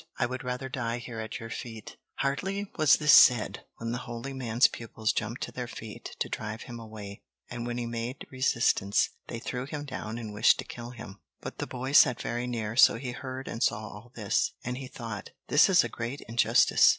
I would rather die here at your feet." Hardly was this said when the holy man's pupils jumped to their feet, to drive him away, and when he made resistance, they threw him down and wished to kill him. But the boy sat very near, so he heard and saw all this, and he thought: "This is a great injustice.